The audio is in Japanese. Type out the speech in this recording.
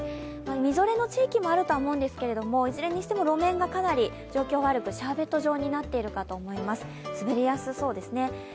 みぞれの地域もあるとは思うんですけどいずれにしても路面がかなりかなり状況悪く、シャーベット状になりそうなので、滑りやすそうですね。